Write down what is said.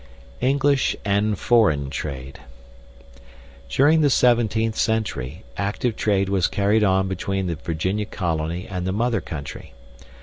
] ENGLISH AND FOREIGN TRADE During the 17th century, active trade was carried on between the Virginia colony and the mother country.